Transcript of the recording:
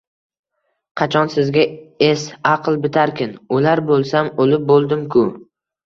-Qachon sizga es-aql bitarkin? O’lar bo’lsam, o’lib bo’ldim-ku.